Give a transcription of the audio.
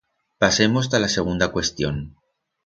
Pasemos ta la segunda cuestión.